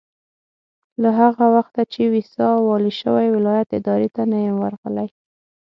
له هغه وخته چې ويساء والي شوی ولایت ادارې ته نه یم ورغلی.